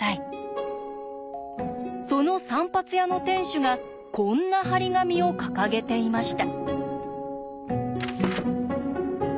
その散髪屋の店主がこんな貼り紙を掲げていました。